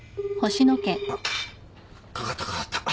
☎あっかかったかかった。